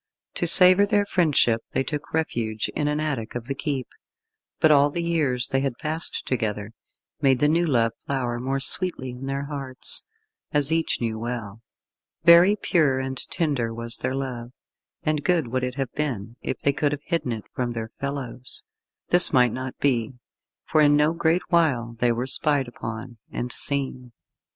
To savour their friendship they took refuge in an attic of the keep, but all the years they had passed together, made the new love flower more sweetly in their hearts, as each knew well. Very pure and tender was their love, and good would it have been if they could have hidden it from their fellows. This might not be, for in no great while they were spied upon, and seen.